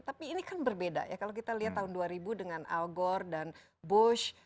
tapi ini kan berbeda ya kalau kita lihat tahun dua ribu dengan algor dan bush